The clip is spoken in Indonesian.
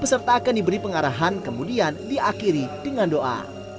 peserta akan diberi pengarahan kemudian diakhiri dengan doa